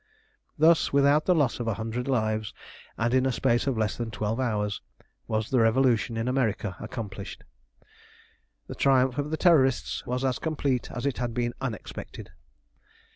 Thus, without the loss of a hundred lives, and in a space of less than twelve hours, was the Revolution in America accomplished. The triumph of the Terrorists was as complete as it had been unexpected.